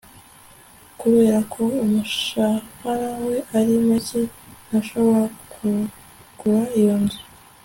Kubera ko umushahara we ari muke ntashobora kugura iyo nzu